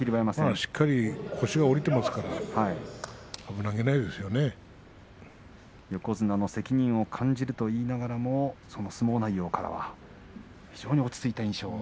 しっかり腰が下りていますから横綱の責任を感じると言いながらもその相撲内容からは非常に落ち着いた印象。